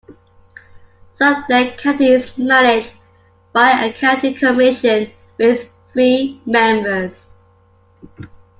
Sublette County is managed by a county commission with three members.